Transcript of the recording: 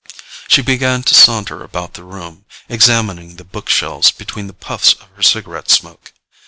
She began to saunter about the room, examining the bookshelves between the puffs of her cigarette smoke.